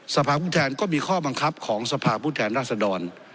สภาพุทธแห่งก็มีข้อบังคับของสภาพุทธแห่งราษดร